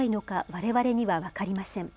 われわれには分かりません。